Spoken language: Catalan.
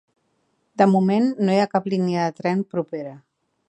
De moment no hi ha cap línia de tren propera.